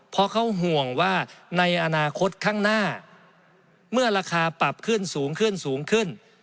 เพราะเขาห่วงว่าในอนาคตข้างหน้าเมื่อราคาปรับขึ้นสูงขึ้นสูงขึ้น